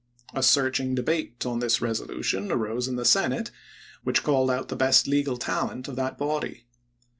A searching debate on this resolu 1865, p. 505. tion arose in the Senate, which called out the best legal talent of that body.